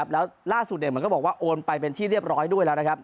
แล้วล่าสุดเหมือนก็บอกว่าโอนไปเป็นที่เรียบร้อยด้วยแล้วนะครับ